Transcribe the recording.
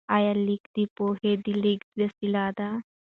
آیا لیک د پوهې د لیږد وسیله ده؟